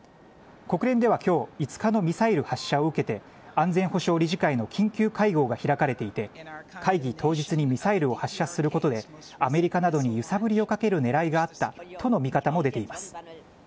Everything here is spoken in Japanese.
国連ではきょう、５日のミサイル発射を受けて、安全保障理事会の緊急会合が開かれていて、会議当日にミサイルを発射することで、アメリカなどに揺さぶりをかけるねらいがあったとの見方も出ています。